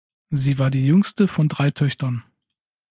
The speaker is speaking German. Sie war die jüngste von drei Töchtern.